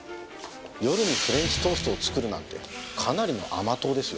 夜にフレンチトーストを作るなんてかなりの甘党ですよ。